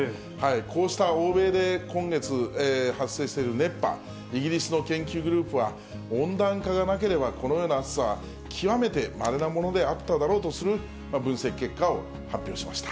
こうした欧米で今月発生している熱波、イギリスの研究グループは温暖化がなければ、このような暑さは極めてまれなものであっただろうという分析結果を発表しました。